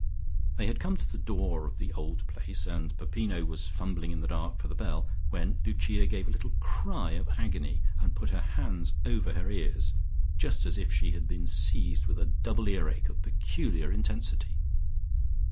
They had come to the door of the Old Place, and Peppino was fumbling in the dark for the bell, when Lucia gave a little cry of agony and put her hands over her ears, just as if she had been seized with a double earache of peculiar intensity.